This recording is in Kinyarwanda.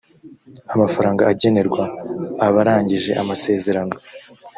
amafaranga agenerwa abarangije amasezerano